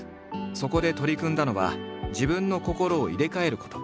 そこで取り組んだのは自分の心を入れ替えること。